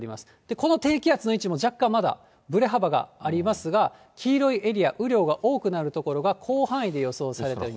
この低気圧の位置も若干まだぶれ幅がありますが、黄色いエリア、雨量が多くなる所が広範囲で予想されています。